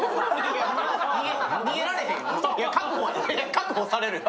確保されるよ。